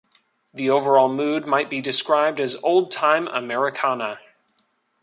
The overall mood might be described as old time Americana.